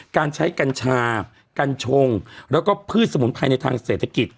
การใช้กัญชากัญชงแล้วก็พืชสมุนไพรในทางเศรษฐกิจ